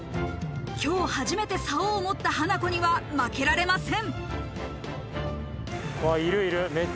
今日初めて竿を持ったハナコには負けられません。